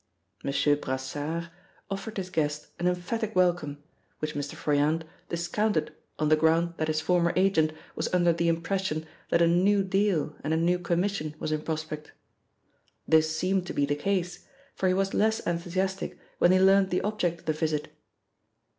Monsieur Brassard offered his guest an emphatic welcome, which Mr. Froyant discounted on the ground that his former agent was under the impression that a new deal and a new commission was in prospect. This seemed to be the case, for he was less enthusiastic when he learnt the object of the visit.